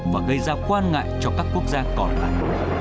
và gây ra quan ngại cho các quốc gia còn lại